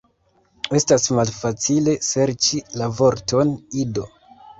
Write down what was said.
Estas malfacile serĉi la vorton, Ido